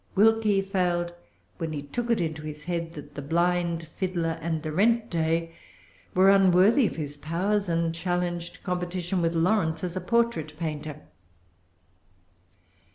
Wilkie failed when he took it into his head that the Blind Fiddler and the Rent Day were unworthy of his powers, and challenged competition with Lawrence as a portrait painter.